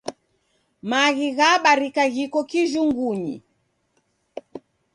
Maghi ghabarika ghiko kijungunyi.